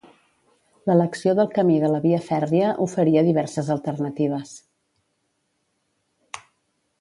L'elecció del camí de la via fèrria oferia diverses alternatives.